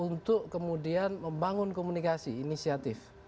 untuk kemudian membangun komunikasi inisiatif